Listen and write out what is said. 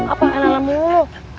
apa enak enak mulu